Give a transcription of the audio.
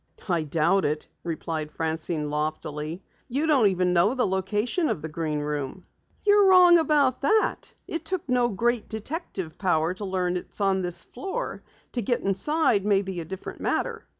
"I doubt it," replied Francine loftily. "You don't even know the location of the Green Room." "You're wrong about that. It took no great detective power to learn it's on this floor. To get inside may be a different matter."